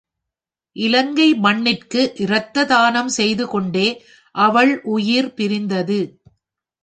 இலங்கை மண்ணிற்கு ரத்த தானம் செய்து கொண்டே அவள் உயிர் பிரிந்தது.